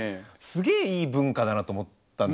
すげえいい文化だなと思ったんですよね。